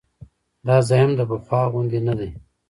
دا ځای هم د پخوا غوندې نه دی.